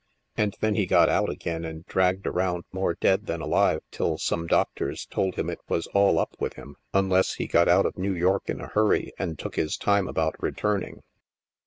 And then he got out again and dragged around more dead than alive till some doctors told him it was all up with him, tmless he got out of New York in a hurry and took his time about returning.